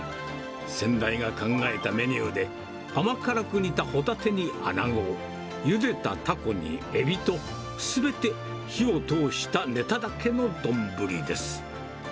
先代が考えたメニューで、甘辛く煮たホタテにアナゴ、ゆでたタコにエビと、すべて火を通したネタだけの丼です。